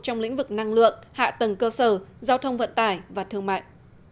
trong lĩnh vực năng lượng hạ tầng cơ sở giao thông vận tải và thương mại